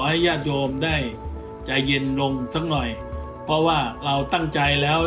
ให้ญาติโยมได้ใจเย็นลงสักหน่อยเพราะว่าเราตั้งใจแล้ว